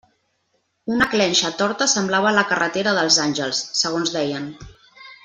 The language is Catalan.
Una clenxa torta semblava la carretera dels Àngels, segons deien.